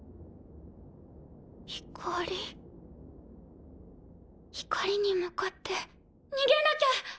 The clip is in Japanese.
光光に向かって逃げなきゃ！